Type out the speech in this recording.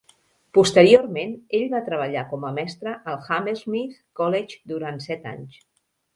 Posteriorment, ell va treballar com a mestre al Hammersmith College durant set anys.